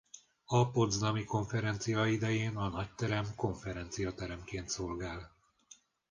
A potsdami konferencia idején a Nagyterem konferenciateremként szolgált.